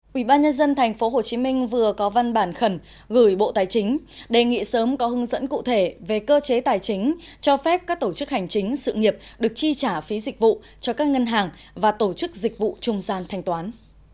quỹ ban nhân dân tp hcm vừa có văn bản khẩn gửi bộ tài chính đề nghị sớm có hướng dẫn cụ thể về cơ chế tài chính cho phép các tổ chức hành chính sự nghiệp được chi trả phí dịch vụ cho các ngân hàng và tổ chức dịch vụ trung gian thanh toán